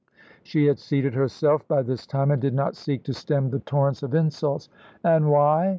She had seated herself by this time, and did not seek to stem the torrents of insults. "And why?"